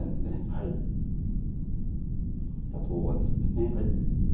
はいあと大葉じそですね